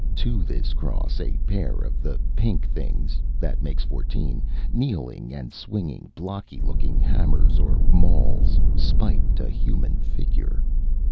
To this cross a pair of the pink things that makes fourteen kneeling and swinging blocky looking hammers or mauls, spiked a human figure.